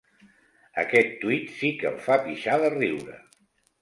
Aquest tuit sí que el fa pixar de riure.